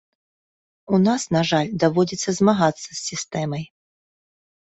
У нас, на жаль, даводзіцца змагацца з сістэмай.